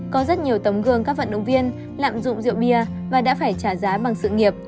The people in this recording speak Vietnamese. có rất nhiều tấm gương các vận động viên lạm dụng rượu bia và đã phải trả giá bằng sự nghiệp